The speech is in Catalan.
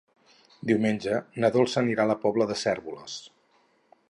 Diumenge na Dolça anirà a la Pobla de Cérvoles.